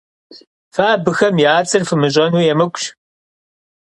Фэ абыхэм я цӀэр фымыщӀэну емыкӀущ.